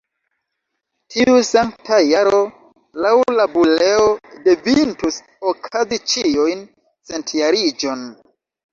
Tiu Sankta Jaro, laŭ la buleo, devintus okazi ĉiujn centjariĝon.